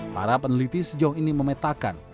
para peneliti sejauh ini memetakan